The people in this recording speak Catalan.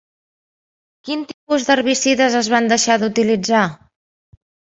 Quin tipus d'herbicides es van deixar d'utilitzar?